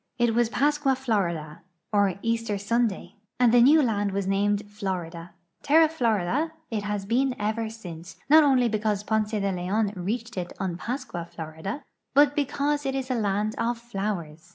It was Pascua Florida, or Easter Sunday, and the new land was named Florida. Terra Florida it has been ever since, not only be cause Ponce de Leon reached it on Pascua Florida, but because it is a land of flowers.